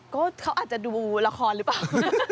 ก็เขาอาจจะดูละครหรือเปล่า